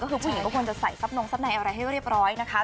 ก็ควรจะใส่ทรัพย์นมทรัพย์ในอะไรให้เรียบร้อยนะคะ